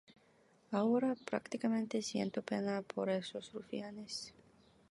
Ahora, prácticamente siento pena por esos rufianes.